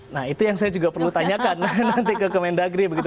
nah itu yang saya juga perlu tanyakan nanti ke kemendagri begitu